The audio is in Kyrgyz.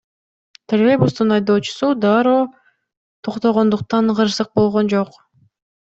Троллейбустун айдоочусу дароо токтогондуктан кырсык болгон жок.